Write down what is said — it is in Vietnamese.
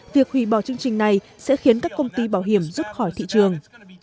việc hủy bỏ chương trình này sẽ khiến các công ty bảo hiểm rút khỏi thị trường